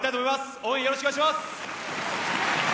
応援、よろしくお願いします。